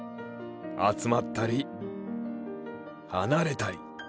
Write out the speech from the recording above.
集まったり離れたり。